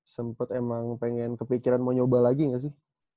sempat emang pengen kepikiran mau nyoba lagi gak sih